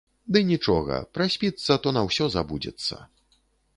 Ды нічога, праспіцца, то на ўсё забудзецца.